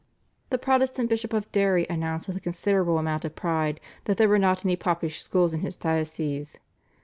The Protestant Bishop of Derry announced with a considerable amount of pride that there were not any popish schools in his diocese.